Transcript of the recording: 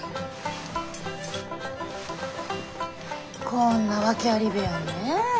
こんな訳あり部屋にねえ。